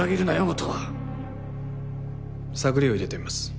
音羽探りを入れてみます